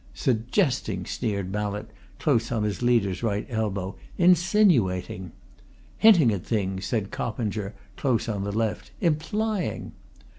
"Suggesting!" sneered Mallett, close on his leader's right elbow. "Insinuating!" "Hinting at things!" said Coppinger, close on the left. "Implying!"